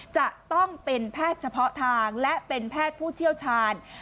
จะต้องเป็นแพทย์เฉพาะทางและเป็นแพทย์ผู้เชี่ยวชาญ